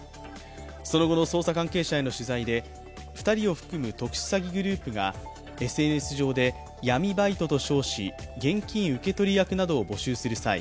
その後の捜査関係者への取材で、２人を含む特殊詐欺グループがＳＮＳ上で闇バイトと称し現金受け取り役などを募集する際